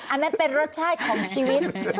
อันนั้นเป็นรสชาติของชีวิต